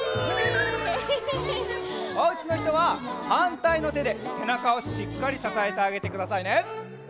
おうちのひとははんたいのてでせなかをしっかりささえてあげてくださいね。